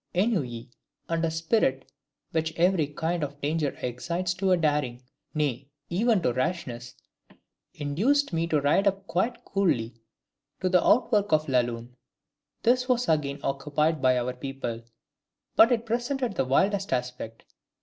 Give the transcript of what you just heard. ENNUI, and a spirit which every kind of danger excites to daring, nay even to rashness, induced me to ride up quite coolly to the outwork of La Lune. This was again occupied by our people; but it presented the wildest aspect.